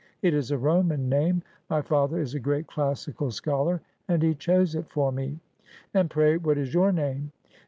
It is a Roman name. My father is a great classical scholar, and he chose it for me. And pray what is your name